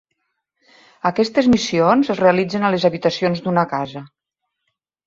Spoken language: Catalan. Aquestes missions es realitzen a les habitacions d'una casa.